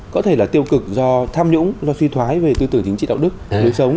có thể là tiêu cực do tham nhũng do suy thoái về tư tưởng chính trị đạo đức lối sống